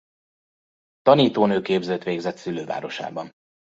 Tanítónőképzőt végzett szülővárosában.